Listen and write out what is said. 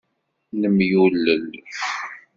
Nemyulel.